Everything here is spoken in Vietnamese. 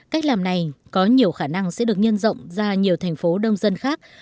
cách làm này có nhiều khả năng sẽ được nhân rộng ra nhiều thành phố đông dân khác